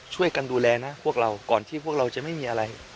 ช่วยกันดูแลนะพวกเราก่อนที่พวกเราจะไม่มีอะไร